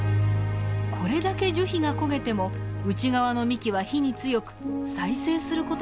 これだけ樹皮が焦げても内側の幹は火に強く再生する事ができます。